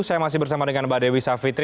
saya masih bersama dengan mbak dewi savitri